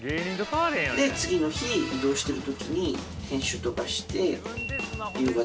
で次の日移動してる時に編集とかして夕方５時くらいに上げる。